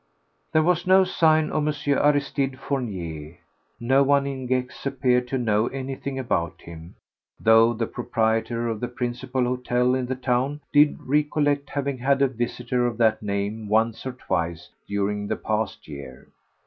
There was no sign of M. Aristide Fournier. No one in Gex appeared to know anything about him, though the proprietor of the principal hotel in the town did recollect having had a visitor of that name once or twice during the past year.